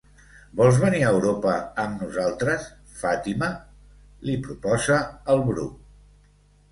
Vols venir a Europa amb nosaltres, Fàtima? —li proposa el Bru.